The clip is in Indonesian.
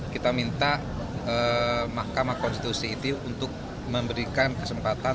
kita minta mahkamah konstitusi itu untuk memberikan kesempatan